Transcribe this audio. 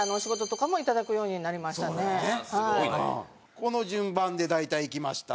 この順番で大体いきました